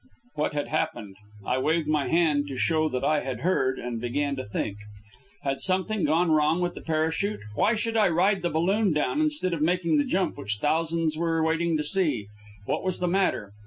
What had happened? I waved my hand to show that I had heard, and began to think. Had something gone wrong with the parachute? Why should I ride the balloon down instead of making the jump which thousands were waiting to see? What was the matter?